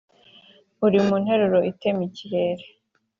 Uri mu nteruro itema ikirere